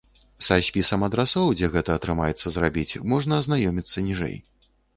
Са спісам адрасоў, дзе гэта атрымаецца зрабіць, можна азнаёміцца ніжэй.